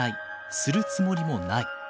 するつもりもない。